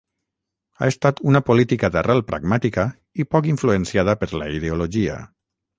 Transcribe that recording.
Ha estat una política d'arrel pragmàtica i poc influenciada per la ideologia